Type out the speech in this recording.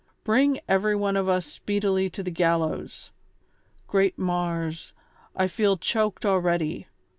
Bring every one of us speedily to the gallows !— great Mars, I feel choked already